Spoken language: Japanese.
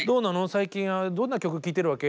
最近はどんな曲聴いてるわけ？」